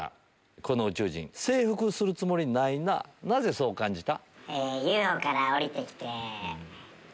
この宇宙人征服するつもりないななぜそう感じた？